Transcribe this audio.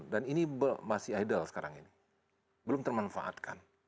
dan ini masih idle sekarang ini belum termanfaatkan